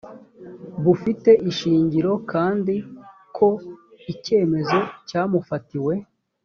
bufite ishingiro kandi ko icyemezo cyamufatiwe